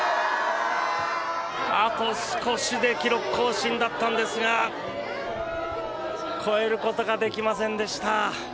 あと少しで記録更新だったんですが超えることができませんでした。